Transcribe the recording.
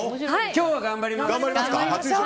今日は頑張ります。